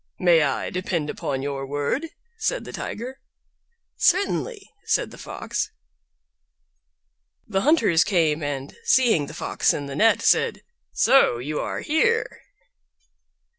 "May I depend upon your word?" said the Tiger. "Certainly," said the Fox. The Hunters came, and seeing the Fox in the net, said, "So you are here!"